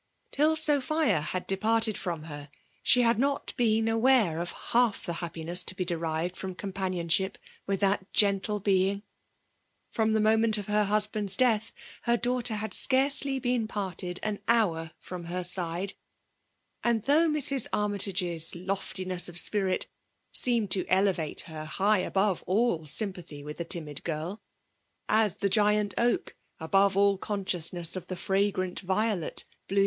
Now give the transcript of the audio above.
Till Sophia had departed iroM her» sh^ had not been aware of half the happiness to be derived from companionship with that gentle being! From the moment of her husband's death, her daughter had scarcely been parted an liour from her side; and though Mrs. Armytage's loftiness of spirit seemed to elevate her high above all sympathy ^th the timid ^rl, as the giant oak above all consciousness of the fragrant violet bloom^ 810 FEMALE DOHIKATION.